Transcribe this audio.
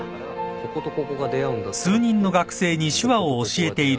こことここが出会うんだったらこう。